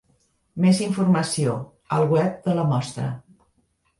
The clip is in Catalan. Més informació, al web de la Mostra.